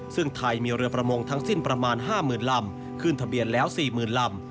ซึ่งไทยมีเรือประมงทั้งสิ้นประมาณ๕๐๐๐ลำขึ้นทะเบียนแล้ว๔๐๐๐ลำ